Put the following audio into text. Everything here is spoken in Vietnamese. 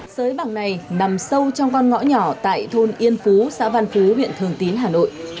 sới bạc này nằm sâu trong con ngõ nhỏ tại thôn yên phú xã văn phú huyện thường tín hà nội